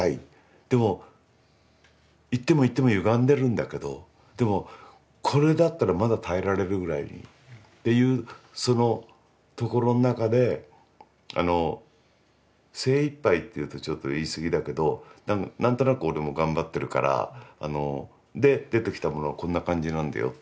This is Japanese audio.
でも行っても行ってもゆがんでるんだけどでもこれだったらまだ耐えられるぐらいっていうそのところの中で精いっぱいっていうとちょっと言いすぎだけど何となく俺も頑張ってるからで出てきたものはこんな感じなんだよって。